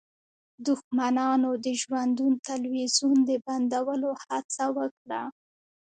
دښمنانو د ژوندون تلویزیون د بندولو هڅه وکړه